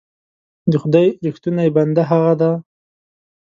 د خدای رښتونی بنده هغه دی.